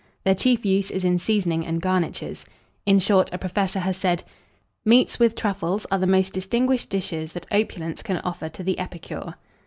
Their chief use is in seasoning and garnitures. In short, a professor has said, "Meats with truffles are the most distinguished dishes that opulence can offer to the epicure."